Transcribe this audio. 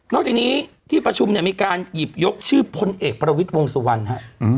จากนี้ที่ประชุมเนี่ยมีการหยิบยกชื่อพลเอกประวิทย์วงสุวรรณฮะ